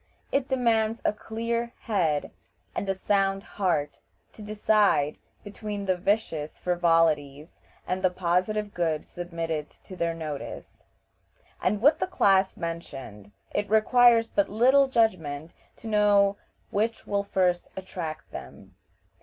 It demands a clear head and a sound heart to decide between the vicious frivolities and the positive good submitted to their notice, and with the class mentioned it requires but little judgment to know which will first attract them.